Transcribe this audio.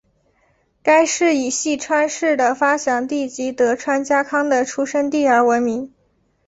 该市以细川氏的发祥地及德川家康的出生地而闻名。